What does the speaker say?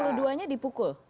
tuh tujuh puluh dua nya dipukul